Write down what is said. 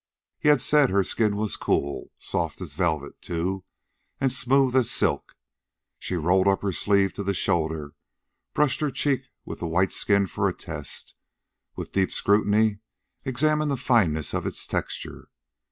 He had said her skin was cool soft as velvet, too, and smooth as silk. She rolled up her sleeve to the shoulder, brushed her cheek with the white skin for a test, with deep scrutiny examined the fineness of its texture.